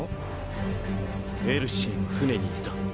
エルシーの船にいた。